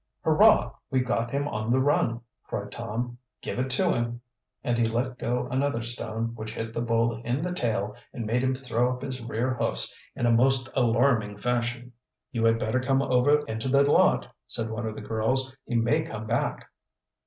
"Hurrah! we've got him on the run!" cried Tom. "Give it to him!" and he let go another stone, which hit the bull in the tail and made him throw up his rear hoofs in a most alarming fashion. "You had better come over into the lot!" said one of the girls. "He may come back."